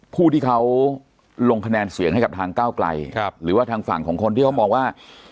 ผู้ที่เขาลงคะแนนเสียงให้กับทางก้าวไกลหรือว่าทางฝั่งของคนที่เขามองว่า